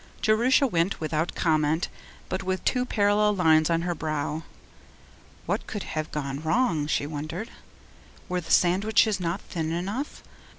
Jerusha went without comment, but with two parallel lines on her brow. What could have gone wrong, she wondered. Were the sandwiches not thin enough?